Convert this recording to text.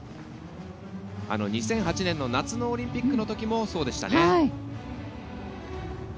２００８年の夏のオリンピックのときもそうでしたね。